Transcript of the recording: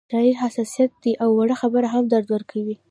شاعري حساسیت دی او وړه خبره هم درد ورکوي